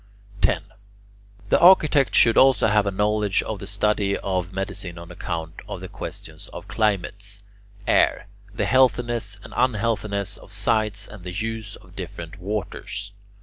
10. The architect should also have a knowledge of the study of medicine on account of the questions of climates (in Greek [Greek: klimata]), air, the healthiness and unhealthiness of sites, and the use of different waters.